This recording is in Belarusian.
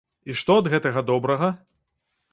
І што ад гэтага добрага?